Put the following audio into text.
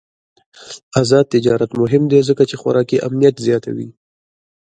آزاد تجارت مهم دی ځکه چې خوراکي امنیت زیاتوي.